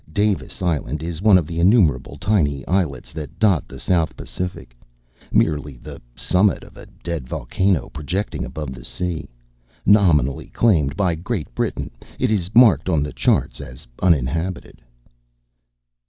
Davis Island is one of the innumerable tiny islets that dot the South Pacific; merely the summit of a dead volcano, projecting above the sea. Nominally claimed by Great Britain, it is marked on the charts as uninhabited.